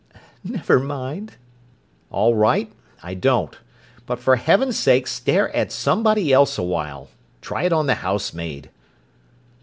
"Never mind!" "All right, I don't. But for heaven's sake stare at somebody else awhile. Try it on the house maid!"